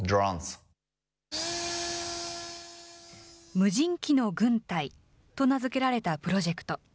無人機の軍隊と名付けられたプロジェクト。